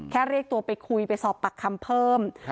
เรียกตัวไปคุยไปสอบปากคำเพิ่ม